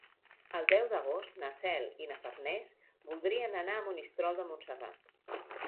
El deu d'agost na Cel i na Farners voldrien anar a Monistrol de Montserrat.